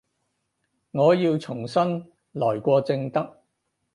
我要重新來過正得